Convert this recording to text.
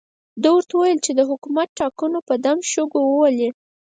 ده ورته ویلي وو چې د حکومت ټانګونه په دم شوو شګو وولي.